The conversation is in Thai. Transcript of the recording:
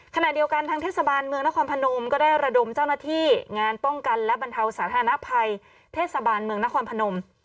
ขณะเดียวกันทางเทศบาลเมืองนครพนมก็ได้ระดมเจ้าหน้าที่งานป้องกันและบรรเทาสาธารณภัยเทศบาลเมืองนครพนม